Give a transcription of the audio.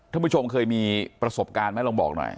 ท่านผู้ชมเคยมีประสบการณ์ไหมลองบอกหน่อย